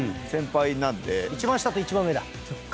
一番下と一番上だ。